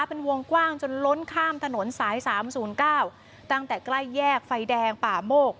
เป็นวงกว้างจนล้นข้ามถนนสาย๓๐๙ตั้งแต่ใกล้แยกไฟแดงป่าโมก